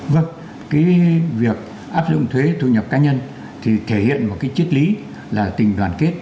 vâng cái việc áp dụng thuế thu nhập cá nhân thì thể hiện một cái triết lý là tình đoàn kết